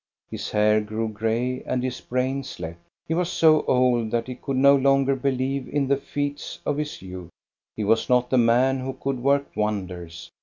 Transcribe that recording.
His hair grew gray and his brain slept. He was so old that he could no longer believe in the feats of his youth. He was not the man who could work wonders.